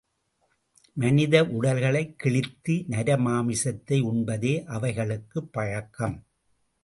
மனித உடல்களைக் கிழித்து நரமாமிசத்தை உண்பதே அவைகளுக்குப் பழக்கம்.